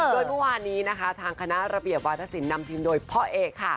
โดยเมื่อวานนี้นะคะทางคณะระเบียบวาธศิลปนำทีมโดยพ่อเอกค่ะ